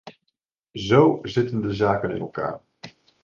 Zo zitten de zaken in elkaar.